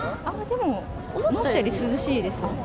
でも思ったより涼しいです。